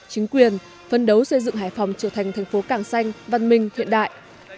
chính quyền phân đấu xây dựng hải phòng trở thành thành phố càng xanh văn minh hiện đại